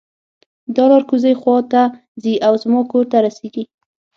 دا لار کوزۍ خوا ته ځي او زما کور ته رسیږي